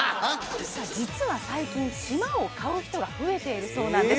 実は最近島を買う人が増えているそうなんです